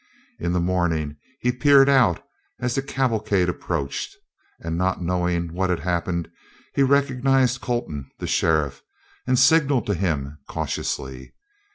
In the morning he peered out as the cavalcade approached, and not knowing what had happened, he recognized Colton, the sheriff, and signalled to him cautiously.